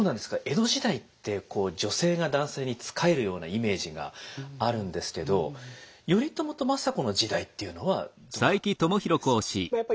江戸時代って女性が男性に仕えるようなイメージがあるんですけど頼朝と政子の時代っていうのはどうだったんですか？